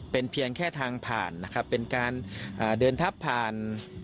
เป็นเพียงแค่ทางผ่านนะครับเป็นการเดินทับผ่าน